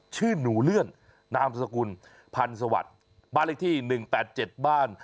ชื่อหนูเลื่อนนามสกุลพันธ์สวัสดิ์บ้านเลขที่๑๘๗บ้าน